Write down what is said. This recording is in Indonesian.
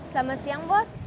selamat siang bos